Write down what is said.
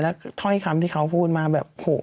แล้วถ้อยคำที่เขาพูดมาแบบโห